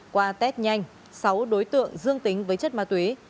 qua test nhanh sáu đối tượng dương tính với chất ma túy